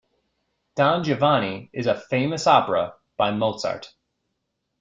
Don Giovanni is a famous opera by Mozart